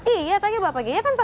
iya tadi bapak gini kan pak